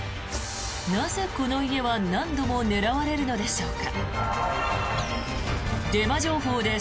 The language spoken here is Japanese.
なぜ、この家は何度も狙われるのでしょうか。